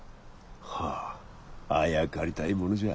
はああやかりたいものじゃ。